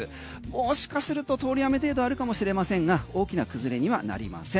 もしかすると通り雨程度あるかもしれませんが大きな崩れにはなりません。